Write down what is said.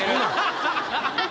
ハハハハハ！